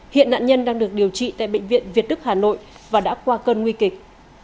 hiện nạn nhân đang được điều trị tại bệnh viện việt đức hà nội và đã qua cơn nguy kịch